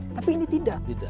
tapi ini tidak